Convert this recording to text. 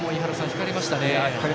光りましたね。